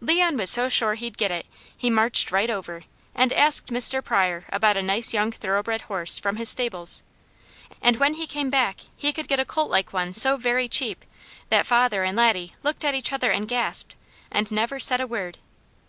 Leon was so sure he'd get it he marched right over and asked Mr. Pryor about a nice young thoroughbred horse, from his stables, and when he came back he could get a coltlike one so very cheap that father and Laddie looked at each other and gasped, and never said a word.